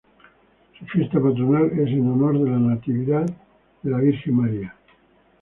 Su fiesta patronal es en honor a la natividad de de la Virgen María.